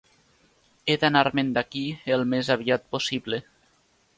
He d'anar-me d'aquí el més aviat possible.